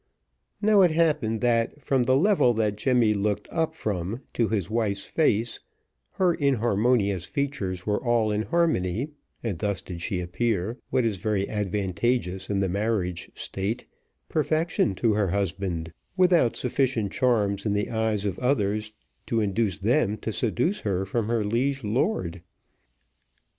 Now it happened that from the level that Jemmy looked up from to his wife's face, her inharmonious features were all in harmony, and thus did she appear what is very advantageous in the marriage state perfection to her husband, without sufficient charms in the eyes of others to induce them to seduce her from her liege lord.